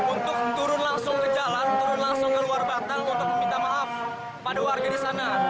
untuk turun langsung ke jalan turun langsung ke luar batang untuk meminta maaf pada warga di sana